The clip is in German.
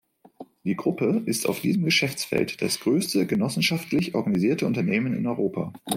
Die Gruppe ist auf diesem Geschäftsfeld das größte genossenschaftlich organisierte Unternehmen in Europa.